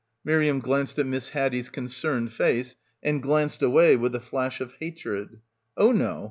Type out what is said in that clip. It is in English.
Miriam glanced at Miss Haddie's concerned face and glanced away with a flash of hatred. "Oh no.